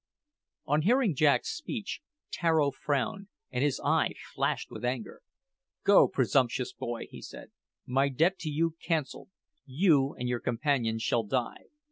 On hearing Jack's speech, Tararo frowned, and his eye flashed with anger. "Go, presumptuous boy!" he said. "My debt to you cancelled. You and your companions shall die!"